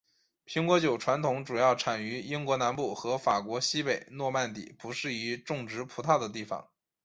苹果酒传统主要产于英国南部和法国西北诺曼底不适宜种植葡萄的地方。